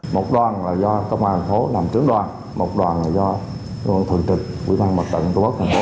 một đoàn là do công an thành phố làm chứng đoàn một đoàn là do thượng trịch quỹ ban mật tận tổ quốc thành phố